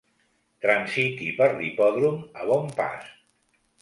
Transiti per l'hipòdrom a bon pas.